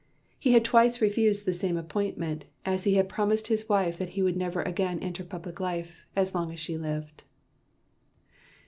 He had twice refused the same appointment, as he had promised his wife that he would never again enter public life, as long as she lived.